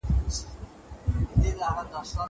زه اوس ځوان يمه لوی سوی